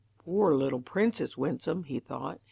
"Poor little Princess Winsome," he thought.